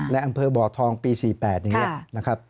ในอำเภอบ่อทองปี๔๘นะครับ